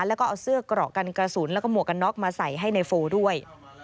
แล้วก็เอาเสื้อกรอกกันกระสุนแล้วก็หมวกกันน็อกมาใส่ให้ในโฟด้วย